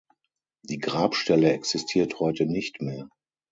Die Grabstelle existiert heute nicht mehr.